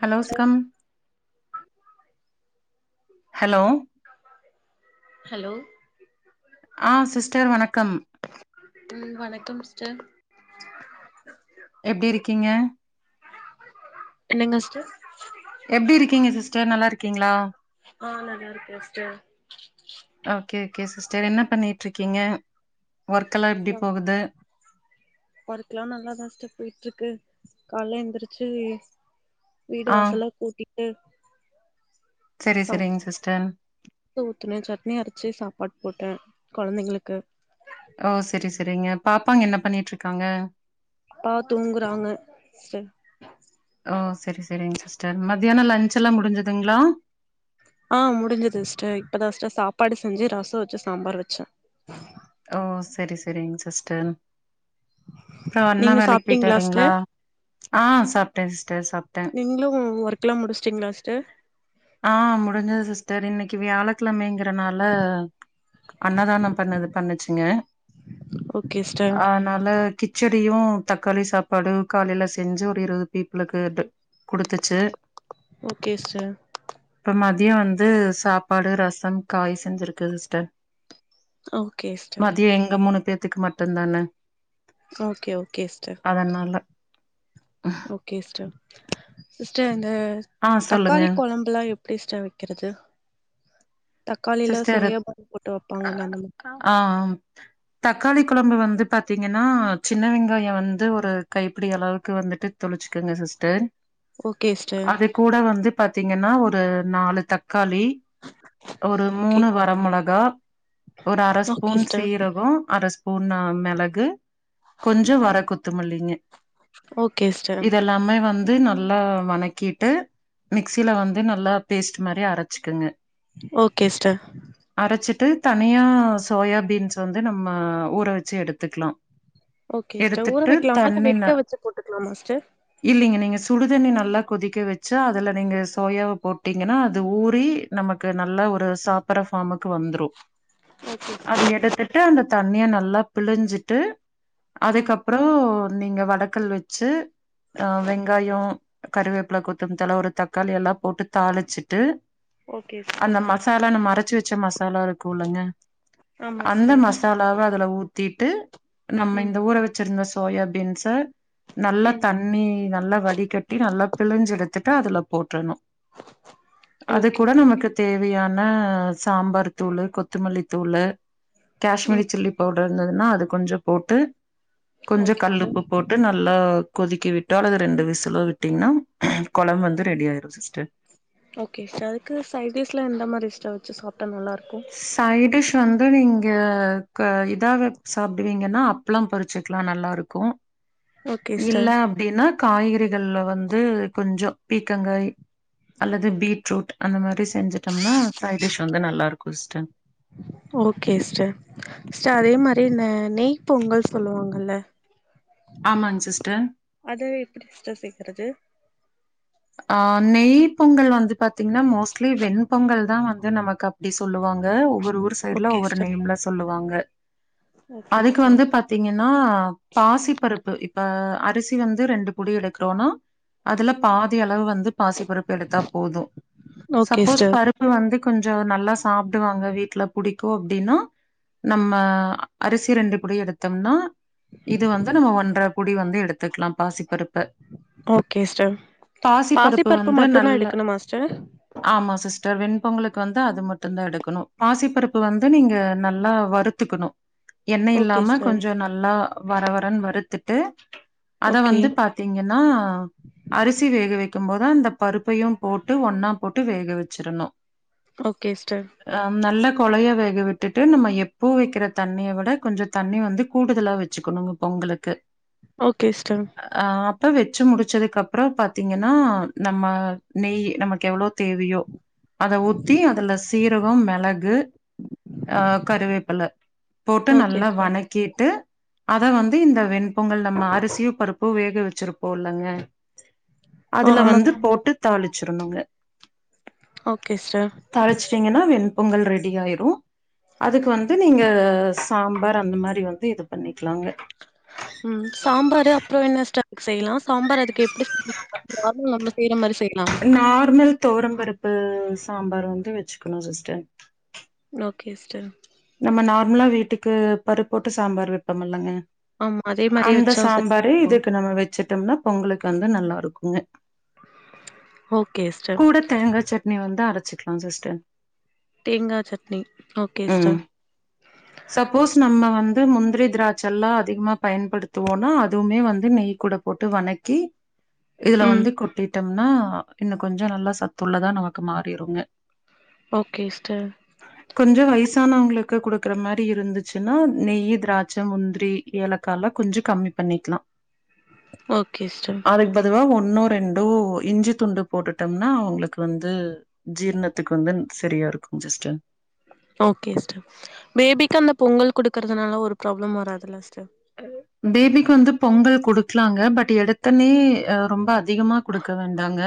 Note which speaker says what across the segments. Speaker 1: Hello
Speaker 2: sister
Speaker 1: ஸ்கம் hello
Speaker 2: hello
Speaker 1: ஆ sister வணக்கம்
Speaker 2: ம் வணக்கம் சிஸ்டர்
Speaker 1: எப்டி இருக்கீங்க
Speaker 2: என்னங்க சிஸ்டர்
Speaker 1: எப்டி இருக்கீங்க சிஸ்டர் நல்லார்க்கீங்ளா
Speaker 2: ஆ நல்லா இருக்க சிஸ்டர்
Speaker 1: ஓகே ஓகே சிஸ்டர் என்ன பண்ணிட்ருக்கீங்க ஒர்க்கெல்லா எப்டி போகுது
Speaker 2: ஒர்க்கெல்லா நல்லா தா சிஸ்டர் போயிட்ருக்கு கால்ல எந்திரிச்சு வீடு
Speaker 1: ஆ
Speaker 2: வாசல்லா கூட்டிட்டு
Speaker 1: செரி செரிங் சிஸ்டர்
Speaker 2: ஊத்துண சட்னி அரச்சு சாப்பாட் போட்ட கொழந்தைங்களுக்கு
Speaker 1: ஓ செரி செரிங்க பாப்பாங்க என்ன பண்ணிட்ருக்காங்க
Speaker 2: ப்பா தூங்குறாங்க சிஸ்டர்
Speaker 1: ஓ செரி செரிங்க சிஸ்டர் மத்தியான லஞ்ச்செல்லா முடிஞ்ஜதுங்ளா
Speaker 2: ஆ முடுஞ்சது சிஸ்டர் இப்ப தா சிஸ்டர் சாப்பாடு செஞ்சு ரசம் வச்சு சாம்பார் வச்ச
Speaker 1: ஓ செரி செரிங் சிஸ்டர் அப்றோ அண்ணா
Speaker 2: நீங்க
Speaker 1: வேலக்
Speaker 2: சாப்ட்டீங்களா
Speaker 1: போய்ட்டாருங்ளா
Speaker 2: சிஸ்டர்
Speaker 1: ஆ சாப்ட சிஸ்டர் சாப்ட
Speaker 2: நீங்களு ஒர்க்லா முடிச்சுட்டீங்களா சிஸ்டர்
Speaker 1: ஆ முடிஞ்சது சிஸ்டர் இன்னக்கி வியாழக்கெழமங்கறனால அன்னதானம் பண்ணது பண்ணுச்சுங்க
Speaker 2: ஓகே சிஸ்டர்
Speaker 1: ஆ அதனால கிச்சடியு தக்காளி சாப்பாடு காலைல செஞ்சு ஒரு இருவது பீப்பிளுக்கு குடுத்துச்சு
Speaker 2: ஓகே ஸ்டர்
Speaker 1: இப்ப மதியம் வந்து சாப்பாடு ரசம் காய் செஞ்சுருக்க சிஸ்டர்
Speaker 2: ஓகே சிஸ்டர்
Speaker 1: மதிய எங்க மூணு பேத்துக்கு மட்டுந்தான
Speaker 2: ஓகே ஓகே ஸ்டர்
Speaker 1: அதனால
Speaker 2: ஓகே சிஸ்டர் சிஸ்டர் இந்த
Speaker 1: ஆ சொல்லுங்க
Speaker 2: தக்காளி கொழம்பு ல்லா எப்டி சிஸ்டர் வெக்கிறது தக்காளில
Speaker 1: சிஸ்டர்
Speaker 2: சோயாபான் போட்டு வைப்பாங்கல அந்த மாரி
Speaker 1: ஆ ஆ தக்காளி கொழம்பு வந்து பாத்தீங்கன்னா சின்ன வெங்காயம் வந்து ஒரு கைப்பிடி அளவுக்கு வந்துட்டு தொளிச்சிக்கங்க சிஸ்டர்
Speaker 2: ஓகே சிஸ்டர்
Speaker 1: அது கூட வந்து பாத்தீங்கன்னா ஒரு நாலு தக்காளி ஒரு
Speaker 2: ஓகே
Speaker 1: மூணு வர மொளகா ஒரு அர
Speaker 2: ஓகே
Speaker 1: ஸ்பூன்
Speaker 2: சிஸ்டர்
Speaker 1: சீரகம் அரஸ் ஸ்புன் ஆ மெளகு கொஞ்சோ வர கொத்துமல்லிங்க
Speaker 2: ஓகே சிஸ்டர்
Speaker 1: எல்லாமே வந்து நல்லா வணக்கிட்டு மிக்சில வந்து நல்லா பேஸ்ட் மாரி அரச்சிக்குங்க
Speaker 2: ஓகே சிஸ்டர்
Speaker 1: அரச்சிட்டு தனியா சோயா பீன்ஸ் வந்து நம்ம ஊற வச்சு எடுத்துக்கலா
Speaker 2: ஓகே சிஸ்டர் ஊற வைக்கலாமா வெடிக்க வெச்சு போட்டுக்கலாமா சிஸ்டர்
Speaker 1: இல்லைங்க நீங்க சுடுதண்ணி நல்லா கொதிக்க வச்சா அதுல நீங்க சோயாவை போட்டீங்கன்னா அது ஊறி நமக் க்கு நல்லா ஒரு சாப்படுற ஃபார்முக்கு வந்துரும்
Speaker 2: ஓகே
Speaker 1: அத எடுத்துட்டு அந்த தண்ணிய நல்லா பிழிஞ்சிட்டு
Speaker 2: ம்
Speaker 1: அதுக்கப்றோ நீங்க வடக்கல் வச்சு ஆ வெங்காயோ கருவேப்பில கொத்தமல்லி தல ஒரு தக்காளி எல்லா போட்டு தாளிச்சிட்டு
Speaker 2: ஓகே சிஸ்டர்
Speaker 1: அந்த மசாலா நம்ம அரச்சு வச்ச மசாலா இருக்கும்லங்க
Speaker 2: ஆமா
Speaker 1: அந்த
Speaker 2: சிஸ்டர்
Speaker 1: மசா லாவ அதுல ஊத்திட்டு நம்ம
Speaker 2: ம்
Speaker 1: இந்த ஊர வச்சிருந்த சோயா பீன்ஸ நல்லா
Speaker 2: ம்
Speaker 1: தண்ணி நல்லா வடிகட்டி நல்லா பிழிஞ்சு எடுத்துட்டு அதுல போட்டுணும் அது
Speaker 2: ஓகே
Speaker 1: கூட நமக்கு தேவையான சாம்பார் தூள் கொத்தமல்லி தூள் காஷ்மீரி
Speaker 2: ம்
Speaker 1: சில்லி பவுடர் இருந்துதுனா அது கொஞ்சோ போட்டு கொஞ்ச
Speaker 2: ஓகே
Speaker 1: கல்
Speaker 2: சிஸ்டர்
Speaker 1: போட்டு ந நல்லா கொதிக்க விட்டோ அல்லது ரெண்டு விசலோ விட்டீங்கன்னா கொழம்பு வந்து ரெடி ஆயிடும் சிஸ்டர்
Speaker 2: ஓகே சிஸ்டர் அதுக்கு சைட்டிஸ்லா எந்த மாரி சிஸ்டர் வெச்சு சாப்ட்டா நல்லாருக்கும்
Speaker 1: சைட்டிஷ் வந்து நீங்க இதாவ சாப்பிடுவீங்கன்னா அப்பளோ பொறிச்சுக்கலா நல்லாருக்கும்
Speaker 2: ஓகே
Speaker 1: இல்ல
Speaker 2: சிஸ்டர்
Speaker 1: அப்படின்னா காய்கறிகள்ல வந்து கொஞ்சோ பீக்கங்காய் அல்லது பீட்ரூட் அந்த மாரி செஞ்சட்டோம்னா சைடிஷ் வந்து நல்லா இருக்கும் சிஸ்டர்
Speaker 2: ஓகே சிஸ்டர் சிஸ்டர் அதே மாரி இந்த நெய் பொங்கல்ன்னு சொல்லுவாங்கல்ல
Speaker 1: ஆமாங்க சிஸ்டர்
Speaker 2: அத எப்டி சிஸ்டர் சேக்கறது
Speaker 1: ஆ நெய் பொங்கல் வந்து பாத்தீங்கன்னா மோஸ்ட்லி வெண்பொங்கல் தா வந்து நமக்கு அப்டி சொல்லுவாங்க ஒவ்வொரு ஊர் சைட்ல
Speaker 2: ஓகே
Speaker 1: ஒவ்வொரு
Speaker 2: சிஸ்டர்
Speaker 1: நேம்ல சொல்லுவாங்க
Speaker 2: ஓகே
Speaker 1: அதுக்கு
Speaker 2: சிஸ்டர்
Speaker 1: வந்து பாத்தீங்கன்னா பாசி பருப்பு இப் ப்ப அரிசி வந்து ரெண்டு புடி எடுக்கிறோன்னா அதுல பாதி அளவு வந்து பாசிபருப்பு எடுத்தா போதும் சப்போஸ் பருப்பு வந்து கொஞ்சோ நல்லா சாப்பிடுவாங்க வீட்டுல புடிக்கும் அப்டின்னா நம்ம அரிசி ரெண்டு புடி எடுத்தம்னா இது வந்து நம்ம ஒன்ற புடி வந்து எடுத்துக்கலா பாசிப்பருப்ப
Speaker 2: ஓகே சிஸ்டர் பாசிப்பருப்பு
Speaker 1: வந்து
Speaker 2: மட்டுதா
Speaker 1: நல்ல
Speaker 2: எடுக்கணுமா சிஸ்டர்
Speaker 1: ஆமா சிஸ்டர் வெண்பொங்கலுளுக்கு வந்து அது மட்டு தா எடுக்கணு பாசிப்பருப்பு வந்து நீங்க நல்லா வ ருத்துக்குணு எண்ண
Speaker 2: ஓகே
Speaker 1: இல்லாம
Speaker 2: சிஸ்டர்
Speaker 1: கொஞ்ச நல்லா வர வரன்னு வறுத்துட்டு அத
Speaker 2: ஓகே
Speaker 1: வந்து பா த்தீங்கனா அரிசி வேக வைக்கும் போது அந்த பருப்பையு போட்டு ஒன்னா போட்டு வேக வச்சுரணு
Speaker 2: ஓகே சிஸ்டர்
Speaker 1: அ நல்ல கொலையா வேகவிட்டுட்டு நம்ம எப்போ வைக்கிற தண்ணியை விட கொஞ்ச தண்ணி வந்து கூடுதலா வச் ச்சுக்கணுங்க பொங்களுக்கு
Speaker 2: ஓகே சிஸ்டர்
Speaker 1: ஆ அப்ப வச்சு முடிச்சதுக் அப் ப்றோ பாத்தீங்கனா நம்ம நெய் நமக்கு எவ்ளோ தேவையோ அத ஊத்தி அதுல சீரகோ மிளகு அ கருவேப்பில போட்டு
Speaker 2: ஓகே
Speaker 1: நல்லா
Speaker 2: சிஸ்டர்
Speaker 1: வணக்கிட்டு அத வந்து இந்த வெண்பொங்கல் நம்ம அரிசியு பருப்பு வேக வச்சிருப்போலங்க
Speaker 2: ஓ
Speaker 1: அதுல
Speaker 2: ஆமா
Speaker 1: வந்து போட்டு தாளிச்சிரணுங்க
Speaker 2: ஓகே சிஸ்டர்
Speaker 1: தாளிச்ட்டீங்கனா வெண் பொங்கல் ரெடி ஆயிரு அதுக்கு வந்து நீங்க சாம்பார் அந்த மாரி வந்து இது பண்ணிக்கலாங்க
Speaker 2: ம் சாம்பாரு அப்றோ என்ன சிஸ்டர் செய்யலா சாம்பார் அதுக் எப்டி [unintelligible] அதுவு நம்ம செய்யற மாரி செய்லாமா
Speaker 1: தொவரம்பருப்பு சாம்பார் வந்து வச்சுக்கணு சிஸ்டர்
Speaker 2: ஓகே சிஸ்டர்
Speaker 1: நம்ம நார்மலா வீட்டுக்கு பருப் போட்டு சாம்பார் வைப்பமல்லங்க
Speaker 2: ஆமா அதே மாரியே
Speaker 1: அந்த
Speaker 2: வச்சா சரி
Speaker 1: சாம்பாரே இதுக்கு நம்ம வச்சுட்டம்னா பொங்கலுக்கு வந்து நல்லா இருக்குங்க
Speaker 2: ஓகே சிஸ்டர்
Speaker 1: கூட தேங்கா சட்னி வந்து அரச்சுக்கலா சிஸ்டர்
Speaker 2: தேங்கா சட்னி ஓகே சிஸ்டர்
Speaker 1: ம் சப்போஸ் நம்ம வந்து முந்திரி திராட்ச எல்லா அதிகமா பயன்படுத்துவோனா அதுமே வந்து நெய் குட போட்டு வணக்கி இதுல
Speaker 2: ம்
Speaker 1: வந்து கொட்டி டிடம்னா இன்னு கொஞ்ச நல்லா சத்துள்ளதா நமக்கு மாறிருங்க
Speaker 2: ஓகே சிஸ்டர்
Speaker 1: கொஞ்ச வயசு வயசானவங்களுக்கு கொடுக்கற மாரி இருந்துச்சுனா நெய் திராட்ச முந்திரி ஏலக்காலா கொஞ்ச கம்மி பண்ணிக்கலா
Speaker 2: ஓகே சிஸ்டர்
Speaker 1: அதுக்கு பதிவா ஒன்னோ ரெண்டோ இஞ்சி துண்டு போட்டுட்டம்னா அவங்ளுக்கு வந்து ஜீர்ணத்துக்கு வந்து சரியா இருக்கு சிஸ்டர்
Speaker 2: ஓகே சிஸ்டர் பேபிக்கு அந்த பொங்கல் குடுக்கறதுனால ஒரு ப்ராப்ளம் வராதுல்ல சிஸ்டர்
Speaker 1: [unintelligible] பேபிக்கு வந்து பொங்கல் குடுக்கலாங்க பட் எடுத்தன்னே ரொம்ப அதிகமா குடுக்க வேண்டாங்க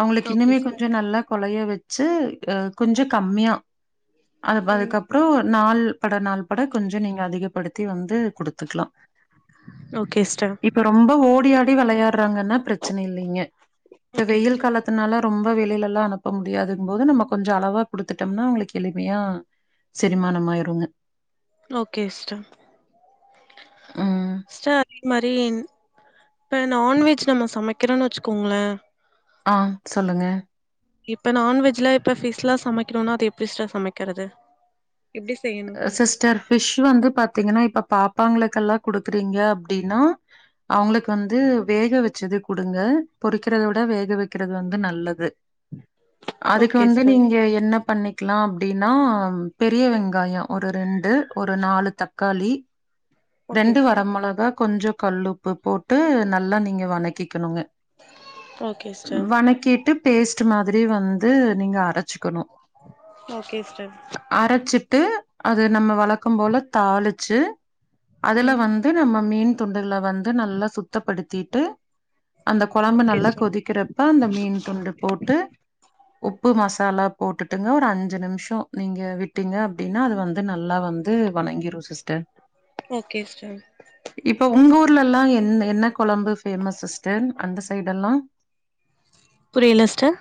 Speaker 1: அவங்ளுக்கு
Speaker 2: ஓகே
Speaker 1: இன்னுமே
Speaker 2: சிஸ்டர்
Speaker 1: கொஞ்ச நல்லா கொலயாவச்சு அ கொஞ்ச கம்மியா அது
Speaker 2: ம்
Speaker 1: அதுக்கப்பறோ நாள் பட நாள் பட கொஞ்ச நீங்க அதிகப்படுத்தி வந்து குடுத்துக்கலா
Speaker 2: ஓகே சிஸ்டர்
Speaker 1: இப்ப ரொம்ப ஓடி ஆடி விளையாடுறாங்கனா பிரச்சன இல்லீங்க இப்போ
Speaker 2: ஓகே
Speaker 1: வெயில்
Speaker 2: சிஸ்டர்
Speaker 1: காலத் அதனால ரொம்ப வெளில எல்லா அனுப்ப முடியாதுங்கும்போது நம்ம கொஞ்சோ அளவா குடுத்துட்டம்னா அவங்களுக்கு எளிமையா செரிமானம் ஆயிருங்க
Speaker 2: ஓகே சிஸ்டர்
Speaker 1: ம்.
Speaker 2: சிஸ்டர் மாறின் இப்போ நான்வெஜ் நம்ம சமைக்றோன்னு வச்சுக்கோங்ளே
Speaker 1: ஆ சொல்லுங்க
Speaker 2: இப்ப நான் வெஜ்லா இப்ப ஃபிஷ்லா சமைக்கணும்னா அது எப்டி சிஸ்டர் சமைக்கிறது எப்டி செய்யணு
Speaker 1: சிஸ்டர் ஃபிஷ் வந்து பாத்தீங்கன்னா இப்ப பாப்பாங்களுக்கெல்லா குடுக்குறீங்க அப்டின்னா அவங்களுக்கு வந்து வேக வச்சது குடுங்க பொறிக்கறத விட வேக வைக்கறது வந்து நல்லது அதுக்கு
Speaker 2: ஓகே
Speaker 1: வந்து
Speaker 2: சிஸ்டர்
Speaker 1: நீங்க என்ன பண்ணிக்லா அப்டின்னா பெரிய வெங் காயம் ஒரு ரெண்டு ஒரு நாலு தக்காளி
Speaker 2: ஓகே
Speaker 1: ரெண்டு வர
Speaker 2: சிஸ்டர்
Speaker 1: மொளகா கொஞ்சோ கல்லுப்பு போட்டு நல்லா நீங்க வணக்கிகுணுங்க
Speaker 2: ஓகே சிஸ்டர்
Speaker 1: வணகிட்டு பேஸ்ட் மாதிரி வந்து நீங்க அரச்சுக்கணு
Speaker 2: ஓகே சிஸ்டர்
Speaker 1: அரச்சிட்டு அது நம்ம வழக்கம் போல தாளிச்சு அதுல
Speaker 2: ம்
Speaker 1: வந்து நம்ம மீன் துண்டுகள வந்து நல்லா சுத் தப்படுத்திட்டு அந்த கொழம்பு
Speaker 2: ஓகே
Speaker 1: நல்லா
Speaker 2: சிஸ்டர்
Speaker 1: கொதிக்கிறப்ப அந்த மீன் துண்ட போட்டு உப்பு மசாலா போட்டுட்டுங்க ஒரு அஞ்சு நிமிஷம் நீங்க விட்டீங்க அப்டின்னா அது வந்து நல்லா வந் து வணங்கிரும் சிஸ்டர்
Speaker 2: ஓகே சிஸ்டர்
Speaker 1: இப்ப உங்க ஊர்ல எல்லா என் என்ன கொழம்பு பேமஸ் சிஸ்டர் அந்த சைடு எல்லா
Speaker 2: புரில ஸ்டர்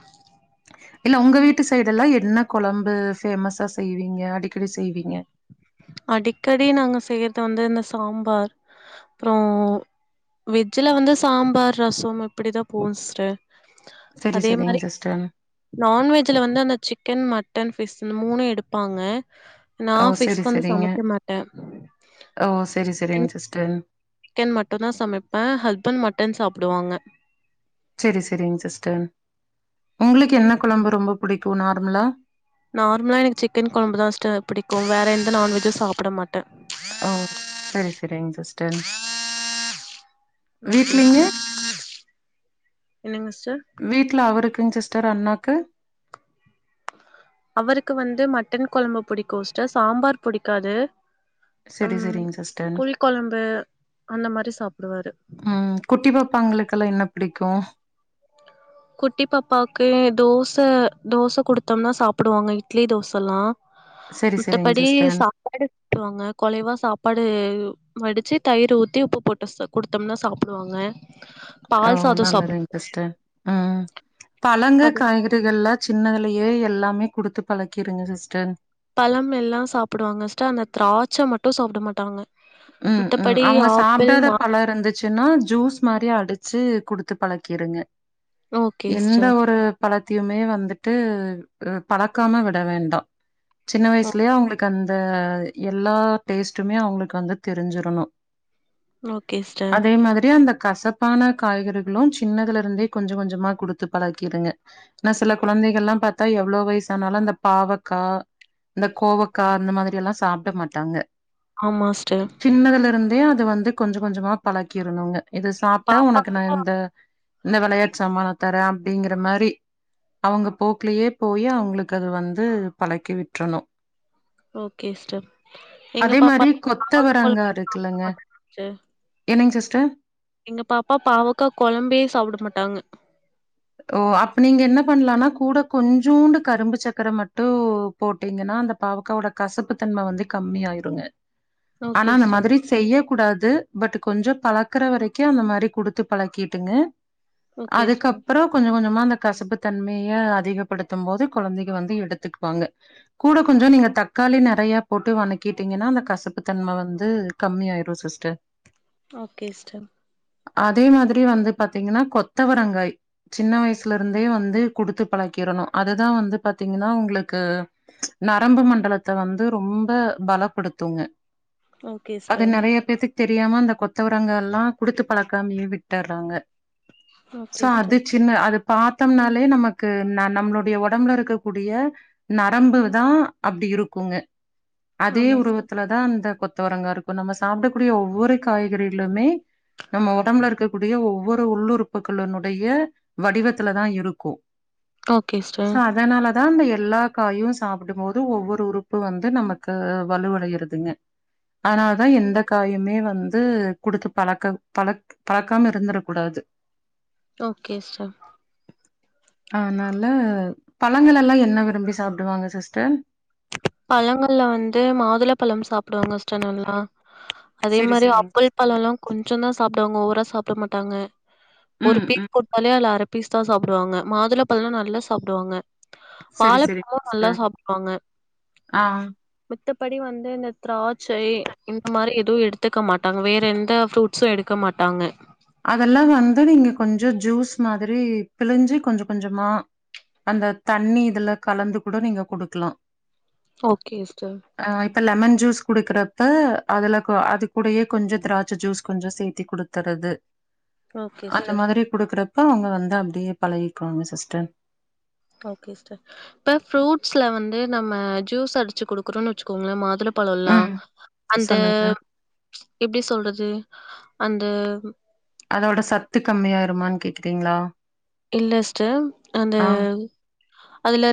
Speaker 1: இல்ல உங்க வீட்டு சைடு எல்லா என்ன கொழம்பு பேமஸா செய்வீங்க அடிக்கடி செய்வீங்க
Speaker 2: அடிக்கடி நாங்க செய்றது வந்து இந்த சாம்பார் அப்றோ வெஜ்ல வந்து சாம்பார் ரசம் இப்டிதா போகும் சிஸ்டர்
Speaker 1: சரி,
Speaker 2: அதே
Speaker 1: சரிங்க
Speaker 2: மாறி
Speaker 1: சிஸ்டர்.
Speaker 2: நான்வெஜ்ல வந்து அந்த சிக்கன் மட்டன் ஃபிஷ் இந்த மூணும் எடுப்பாங்க நா
Speaker 1: ஓ!
Speaker 2: ஃபி்ஷ்
Speaker 1: சரி, சரிங்க.
Speaker 2: சமைக்க மாட்டே
Speaker 1: ஓ சேரி சரிங் சிஸ்டர்
Speaker 2: சிக்கன் மட்டுந்தா சமைப்பே ஹஸ்பண்ட் மட்டன் சாப்புடுவாங்க
Speaker 1: சேரி சரிங் சிஸ்டர் உங்களுக்கு என்ன கொழம்பு ரொம்ப புடிக்கும் நார்மலா
Speaker 2: நார்மலா எனக்கு சிக்கன் கொழம்புதா சிஸ்டர் பிடிக்கும் வேற எந்த நான்வெஜ்ஜும் சாப்புட மாட்டே
Speaker 1: ஓ சரி சரிங் சிஸ்டர்
Speaker 2: ஓகே
Speaker 1: வீட்லங்க?
Speaker 2: ஓகே என்னங்க சிஸ்டர்
Speaker 1: வீட்ல அவருக்குங் சிஸ்டர் அண்ணாக்கு
Speaker 2: அவருக்கு வந்து மட்டன் கொழம்பு புடிக்கும் சிஸ்டர் சாம்பார் புடிக்காது
Speaker 1: சரி,
Speaker 2: உம்
Speaker 1: சரிங்க சிஸ்டர்.
Speaker 2: புளி கொழம்பு அந்த மாறி சாப்புடுவாரு
Speaker 1: ம் குட்டி பாப்பாங்களுக்குல்லா என்ன புடிக்கும்
Speaker 2: குட்டி பாப்பாவுக்கு தோச தோச குடுத்தோம்னா சாப்புடுவாங்க இட்லி தோசல்லா
Speaker 1: சரி சரிங்க
Speaker 2: மித்தபடி
Speaker 1: சிஸ்டர்
Speaker 2: சா ப்பாடு விட்டுருவாங்க கொழைவா சாப்பாடு வடிச்சு தயிர் ஊத்தி உப்பு போட்டு சாப் குடுத்தம்னா சாப்புடுவாங்க
Speaker 1: அப்றோ
Speaker 2: பால் சாதோ
Speaker 1: நல்லதுங் சிஸ்டர் உம் பழங்க
Speaker 2: அது
Speaker 1: காய் கறிகள்ல சின்னதுலயே எல்லாமே குடுத்து பழக்கிருங்க சிஸ்டர்
Speaker 2: பழமெல்லா சாப்டுவாங்க ஸ்டர் அந்த திராட்ச மட்டு சாப்ட மாட்டாங்க
Speaker 1: ம் ம்
Speaker 2: மத்தபடி
Speaker 1: அவுங்க
Speaker 2: ஆப்பிள்
Speaker 1: சாப்டாத
Speaker 2: மா
Speaker 1: பழோ இருந்து ச்சுன்னா ஜூஸ் மாரி அடிச்சு குடுத்து பழக்கிருங்க
Speaker 2: ஓகே
Speaker 1: எந்த
Speaker 2: சிஸ்டர்
Speaker 1: ஒரு பழத்தியுமே வந்துட்டு பழக்காம விட வேண்டா சின்ன வய்சுலே அவுங்ளுக் அந்த எல்லா டேஸ்ட்டுமே அவுங்ளுக்கு வந்து தெரிஞ்சிருனு
Speaker 2: ஓகே சிஸ்டர்
Speaker 1: அதே மாதிரி அந்த கசப் பான காய்கறிகளு சின்னதுலருந்தே கொஞ்ச கொஞ்சமா குடுத்து பழக்கிருங்க னா சில குழந்தைகள்ல்லா பாத்தா எவ்ளோ வய்சானாலு அந்த பாவக்கா இந்த கோவக்கா அந்த மாதிரில்லா சாப்ட மாட்டாங்க
Speaker 2: ஆமா ஸ்டர்
Speaker 1: சின்னதுலருந்தே அத வந்து கொஞ்ச கொஞ்சமா பழக்கிருனுங்க இது சாப்ட்டா
Speaker 2: பாப்பாக்கு
Speaker 1: ஒனக்கு நா இந்த இந்த வெளயாட்டு சாமான தரே அப்டிங்ற மாரி அவங்க போக்லயே போயி அவுங்ளுக்கு அது வந்து பழக்கி விட்றனு
Speaker 2: ஓகே ஸ்டர் எங்க பாப்பா கொழம்பே
Speaker 1: த்தவரங்கா
Speaker 2: சாப்ட
Speaker 1: இருக்குலங்க
Speaker 2: மாட்டாங்க சிஸ்டர்
Speaker 1: என்னங் சிஸ்டர்
Speaker 2: எங்க பாப்பா பாவக்கா கொழம்பே சாப்ட மாட்டாங்க
Speaker 1: ஓ அப் நீங்க என்ன பண்லான்னா கூட கொஞ்சூன்டு கரும்பு சக்கர மட்டு போட்டீங்கன்னா அந்த பாவக்காவோட கசப்பு தன்ம வந்து கம்மி ஆய்ருங்க ஆனா
Speaker 2: ஓகே
Speaker 1: அந்த
Speaker 2: சிஸ்டர்
Speaker 1: மாதிரி செய்யக் கூடாது பட்டு கொஞ்சோ பழக்குற வரைக்கு அந்த மாரி குடுத்து பழக்கிட்டுங்க
Speaker 2: ஓகே
Speaker 1: அதுக்கப்
Speaker 2: சிஸ்டர்
Speaker 1: றோ கொஞ்ச கொஞ்சமா அந்த கசப்பு தன்மய அதிகப்படுத்தும் போது கொழந்தைக வந்து எடுத்துக்வாங்க கூட கொஞ்சோ நீங்க தக்காளி நறையா போட்டு வணக்கிட்டீங்கன்னா அந்த கசப்புத்தன்ம வந்து கம்மி ஆய்ரு சிஸ்டர்
Speaker 2: ஓகே ஸ்டர்
Speaker 1: அதே மாதிரி வந்து பாத்தீங்கன்னா கொத்தவரங்காய் சின்ன வய்சுலருந்தே வந்து குடுத்து பழக்கிறனு அதுதா வந்து பாத்தீங்கன்னா உங்ளுக்கு நரம்பு மண்டலத்த வந்து ரொம்ப பலப்படுத்துங்க
Speaker 2: ஓகே
Speaker 1: அத
Speaker 2: சிஸ்டர்
Speaker 1: நறைய பேத்துக் தெரியாம அந்த கொத்தவரங்கால்லா குடுத்து பழக்காமே விட்டர்றாங்க
Speaker 2: ஓகே
Speaker 1: ஸோ அது
Speaker 2: சிஸ்டர்
Speaker 1: சின்ன அது பாத்தம்னாலே நமக்கு ந நம்ளுடைய ஒடம்புலருக்கக்கூடிய நரம்பு தா அப்டி இருக்குங்க அதே
Speaker 2: ஆமா சிஸ்டர்
Speaker 1: உருவத்துல தா அந்த கொத்தவரங்காருக்கு நம்ம சாப்டக்கூடிய ஒவ்வொரு காய்கறிலுமே நம்ம ஒடம்புல இருக்கக்கூடிய ஒவ்வொரு உள்ளுறுப்புக்களுன்னுடைய வடிவத்துலதாருக்கு
Speaker 2: ஓகே சிஸ்டர்
Speaker 1: ஸோ அதனால தா அந்த எல்லா காயு சாப்டும் போது ஒவ்வொரு உறுப்பு வந்து நமக்கு வலுவடையறதுங்க ஆனாலா தா எந்த காயுமே வந்து குடுத்து பழக்க பழ பழக்காம இருந்துரக்கூடாது
Speaker 2: ஓகே ஸ்டர்
Speaker 1: ஆனால பழங்களெல்லா என்ன விரும்பி சாப்டுவாங்க சிஸ்டர்
Speaker 2: பழங்கள்ல வந்து மாதுளபழம் சாப்டுவாங்க ஸ்டர் நல்லா அதே
Speaker 1: செரி
Speaker 2: மாரி
Speaker 1: செரிங்க சிஸ்டர்
Speaker 2: ஆப்பிள்பழோலா கொஞ்சொந்தா சாப்டுவாங்க ஓவரா சாப்ட மாட்டாங்க ஒரு
Speaker 1: ம்
Speaker 2: பீஸ்
Speaker 1: ம்
Speaker 2: கு [unintelligible] அல்ல அர பீஸ்தா சாப்டுவாங்க மாதுளபழோலா நல்லா சாப்டுவாங்க
Speaker 1: செரி செரிங்க
Speaker 2: வாழப்பழோலா நல்லா
Speaker 1: சிஸ்டர்
Speaker 2: சாப்டுவாங்க
Speaker 1: ஆ
Speaker 2: மித்தபடி வந்து இந்த திராட்சை இந்த மாரி எதும் எடுத்துக்க மாட்டாங்க வேற எந்த ஃப்ரூட்ஸு எடுக்க மாட்டாங்க
Speaker 1: அதெல்லா வந்து நீங்க கொஞ்சோ ஜூஸ் மாதிரி பிழிஞ்சி கொஞ்ச கொஞ்சமா அந்த தண்ணி இதுல கலந்து கூட நீங்க குடுக்கலா
Speaker 2: ஓகே ஸ்டர்
Speaker 1: ஆ இப்ப லெமன் ஜூஸ் குடுக்கறப்ப அதுல அ அது கூடயே கொஞ்சோ திராட்ச ஜூஸ் கொஞ்சோ சேத்தி குடு க்கிறது
Speaker 2: ஓகே
Speaker 1: அந்த
Speaker 2: சிஸ்டர்
Speaker 1: மாதிரி குடுக்குறப்ப அவுங்க வந்து அப்டியே பழகிக்குவாங்க சிஸ்டர்
Speaker 2: ஓகே ஸ்டர் இப்ப ஃப்ரூட்ஸ்ல வந்து நம்ம ஜூஸ் அடிச்சு குடுக்குறோன்னு வச்சுக்கோங்களே மாதுள பழோலா
Speaker 1: ம்
Speaker 2: அந்த
Speaker 1: சொல்லுங்க
Speaker 2: எப்டி சொல்றது அந்த
Speaker 1: அதோட சத்து கம்மியாயிருமான்னு கேக்றீங்ளா
Speaker 2: இல்ல ஸ்டே அந்த அதுலரு